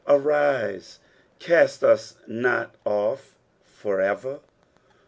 arise, cast us not off for ever. 24.